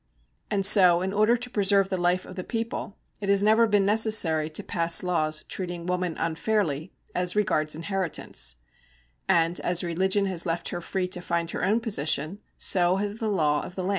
And so, in order to preserve the life of the people, it has never been necessary to pass laws treating woman unfairly as regards inheritance; and as religion has left her free to find her own position, so has the law of the land.